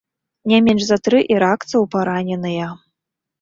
Не менш за тры іракцаў параненыя.